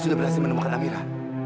sudah berhasil menemukan amira